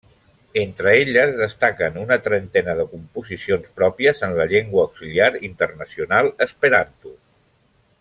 Entre elles destaquen una trentena de composicions pròpies en la llengua auxiliar internacional esperanto.